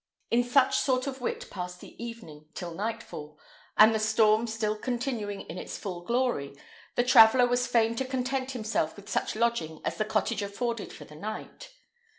In such sort of wit passed the evening till nightfall; and the storm still continuing in its full glory, the traveller was fain to content himself with such lodging as the cottage afforded for the night.